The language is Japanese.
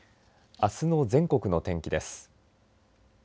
あすの全国の天気です。